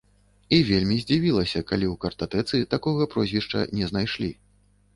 І вельмі здзівілася, калі ў картатэцы такога прозвішча не знайшлі.